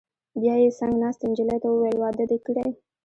بیا یې څنګ ناستې نجلۍ ته وویل: واده دې کړی؟